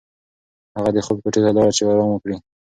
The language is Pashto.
هغه د خوب کوټې ته لاړه چې ارام وکړي.